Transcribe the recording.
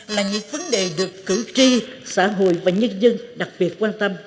là những vấn đề được cử tri xã hội và nhân dân đặc biệt quan tâm